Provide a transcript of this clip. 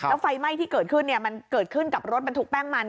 แล้วไฟไหม้ที่เกิดขึ้นมันเกิดขึ้นกับรถบรรทุกแป้งมัน